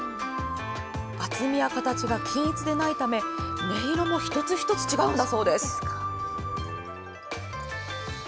厚みや形が均一でないため、音色も一つ一つ違うんだそうです。